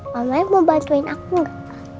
mamanya mau bantuin aku gak